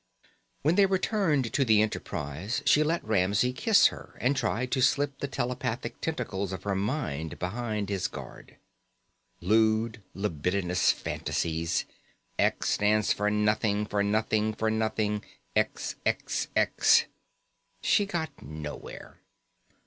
When they returned to the Enterprise, she let Ramsey kiss her and tried to slip the telepathic tentacles of her mind behind his guard Lewd libidinous fantasies, X stands for nothing for nothing for nothing, XXX she got nowhere.